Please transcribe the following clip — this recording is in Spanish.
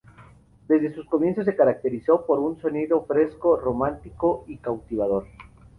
Desde sus comienzos, se caracterizó por un sonido fresco, romántico y cautivador.